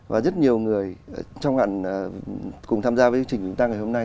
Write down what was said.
và rất nhiều người trong hạn cùng tham gia với chương trình chúng ta ngày hôm nay